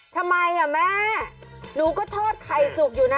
ทำไมอ่ะแม่หนูก็ทอดไข่สุกอยู่นะ